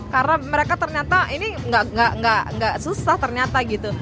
karena mereka ternyata ini nggak susah ternyata gitu